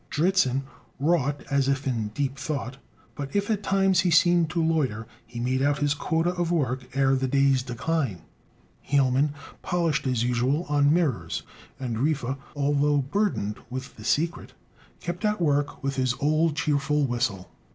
Dritzhn wrought as if in deep thought; but if at times he seemed to loiter, he made out his quota of work ere the day's decline. Hielman polished as usual on mirrors; and Riffe, although burdened with the secret, kept at work with his old cheerful whistle.